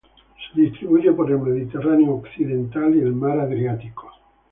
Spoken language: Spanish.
Se distribuye por el Mediterráneo occidental y el mar Adriático.